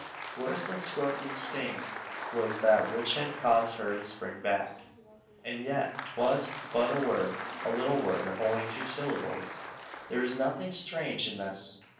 Worse than scorpion's sting was that which had caused her to spring back. And yet 'twas but a word a little word of only two syllables! There was nothing strange in this.